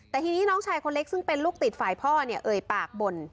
แต่ทีนี้น้องชายคนเล็กซึ่งเป็นลูกติดฝ่ายพ่อเนี่ยเอ่ยปากบ่น